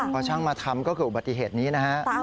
พอช่างมาทำก็เกิดอุบัติเหตุนี้นะฮะ